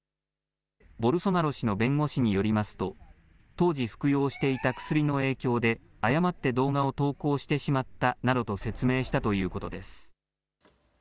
ボルソナロ氏の弁護士によりますと当時服用していた薬の影響で誤って動画を投稿してしまったなどと説明したということです。